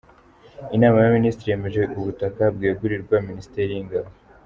Inama y’Abaminisitiri yemeje ubutaka bwegurirwa Minisiteri y’Ingabo.